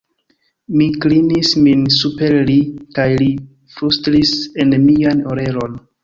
Mi klinis min super li kaj li flustris en mian orelon: